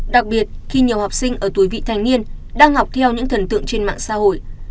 đặc biệt khi nhiều học sinh ở tuổi vị thành niên đang học theo những thần tượng trên mạng xã hội